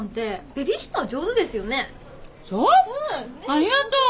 ありがとう。